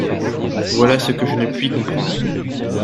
Voilà ce que je ne puis comprendre.